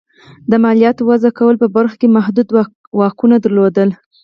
د مالیاتو وضعه کولو په برخو کې محدود واکونه درلودل.